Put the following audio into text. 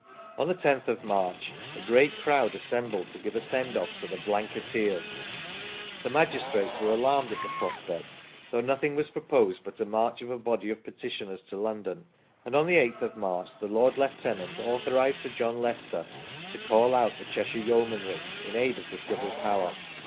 On the 10th of March a great crowd assembled to give a send off to the " Blanketeers ". The magistrates were alarmed at the prospect, though nothing was proposed but a march of a body of petitioners to London, and on the 8th of March the Lord Lieutenant authorised Sir John Leycester to call out the Cheshire Yeomanry in aid of the civil power.